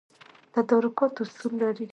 تدارکات اصول لري